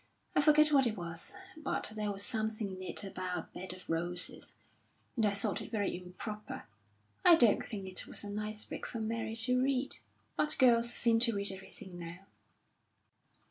I forget what it was, but there was something in it about a bed of roses, and I thought it very improper. I don't think it was a nice book for Mary to read, but girls seem to read everything now."